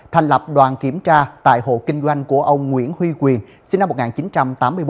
thành lập đoàn kiểm tra tại hộ kinh doanh của ông nguyễn huy quyền sinh năm một nghìn chín trăm tám mươi bốn